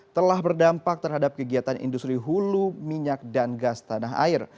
telah berdampak terhadap kegiatan industri hulu minyak dan gas tanah air